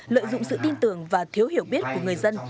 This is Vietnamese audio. lợi dụng sự tin tưởng và thiếu hiểu biết của người dân